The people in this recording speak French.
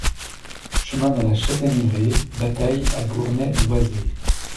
Chemin de la Chataigneraie Batail à Gournay-Loizé